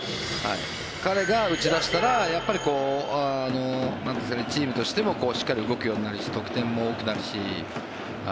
彼が打ち出したらチームとしてもしっかり動くようになるし得点も多くなるし。